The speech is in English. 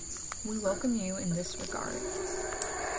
We welcome you in this regard.